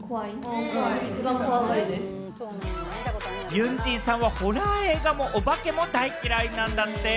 ユンジンさんはホラー映画もお化けも大嫌いなんだって。